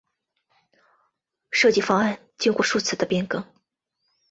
设计方案经过数次变更。